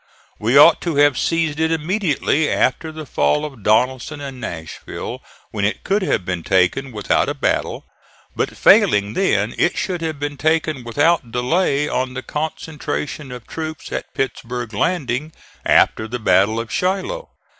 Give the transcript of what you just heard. We ought to have seized it immediately after the fall of Donelson and Nashville, when it could have been taken without a battle, but failing then it should have been taken, without delay on the concentration of troops at Pittsburg landing after the battle of Shiloh.